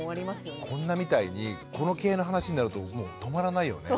こんなみたいにこの系の話になるともう止まらないよね。